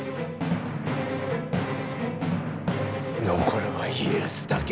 残るは家康だけ。